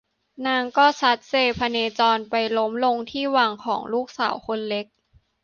นางก็ซัดเซพเนจรไปล้มลงที่วังของลูกสาวคนเล็ก